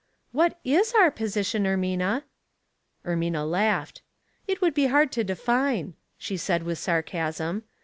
" What is our position, Ermina?" Ermina laughed. •■' It might be hard to define," she said, with sarcasm.